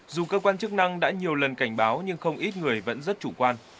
dù cơ quan chức năng đã nhiều lần cảnh báo nhưng không ít người vẫn rất chủ quan